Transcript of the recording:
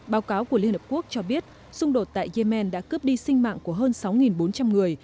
báo cáo của liên hợp quốc cho biết xung đột tại yemen đã cướp đi sinh mạng của hơn sáu bốn trăm linh người